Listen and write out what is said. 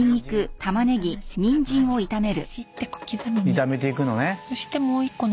炒めていくのね。